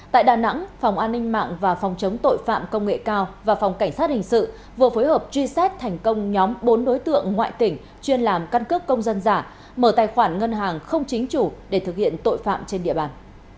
tại đà nẵng phòng an ninh mạng và phòng chống tội phạm công nghệ cao và phòng cảnh sát hình sự vừa phối hợp truy xét thành công nhóm bốn đối tượng ngoại tỉnh chuyên làm căn cước công dân giả mở tài khoản ngân hàng không chính chủ để thực hiện tội phạm trên địa bàn